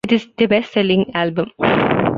It is their best-selling album.